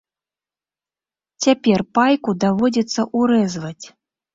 Цяпер пайку даводзіцца ўрэзваць.